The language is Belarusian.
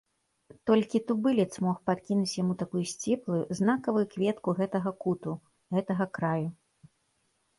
Толькі тубылец мог падкінуць яму такую сціплую, знакавую кветку гэтага куту, гэтага краю.